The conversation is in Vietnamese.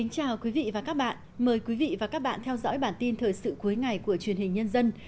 chào mừng quý vị đến với bản tin thời sự cuối ngày của truyền hình nhân dân